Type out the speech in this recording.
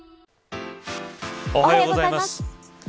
おはようございます。